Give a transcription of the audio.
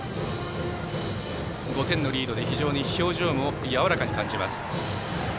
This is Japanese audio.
５点のリードで表情もやわらかに感じます。